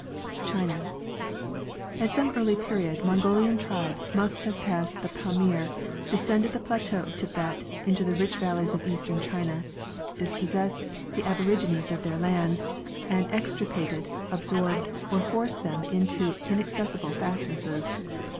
China. At some early period Mongolian tribes must have passed the Pamir, descended the plateau of Tibet into the rich valleys of eastern China, dispossessed the aborigines of their lands, and extirpated, absorbed or forced them into inaccessible fastnesses.